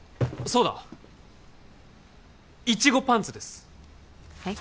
そうだいちごパンツですはい？